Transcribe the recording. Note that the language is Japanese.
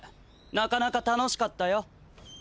なかなか楽しかったよ。